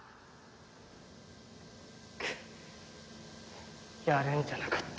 くっやるんじゃなかった。